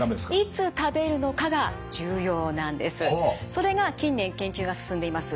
それが近年研究が進んでいます